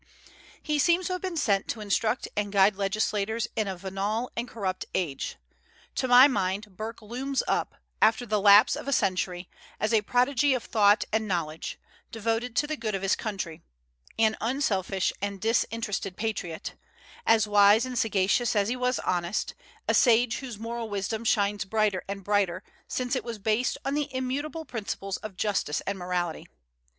He seems to have been sent to instruct and guide legislators in a venal and corrupt age. To my mind Burke looms up, after the lapse of a century, as a prodigy of thought and knowledge, devoted to the good of his country; an unselfish and disinterested patriot, as wise and sagacious as he was honest; a sage whose moral wisdom shines brighter and brighter, since it was based on the immutable principles of justice and morality.